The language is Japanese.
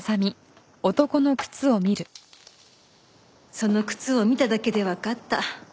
その靴を見ただけでわかった。